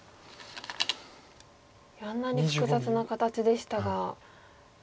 あんなに複雑な形でしたが。